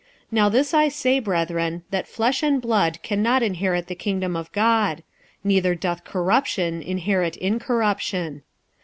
46:015:050 Now this I say, brethren, that flesh and blood cannot inherit the kingdom of God; neither doth corruption inherit incorruption.